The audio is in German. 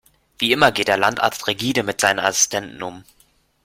Wie immer geht der Landarzt rigide mit seinen Assistenten um.